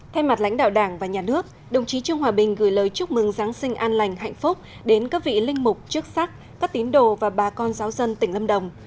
thay mặt lãnh đạo đảng và nhà nước đồng chí trương hòa bình gửi lời chúc mừng giáng sinh an lành hạnh phúc đến các vị linh mục chức sắc các tín đồ và bà con giáo dân tỉnh lâm đồng